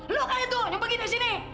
lo kayak itu nyampe gini disini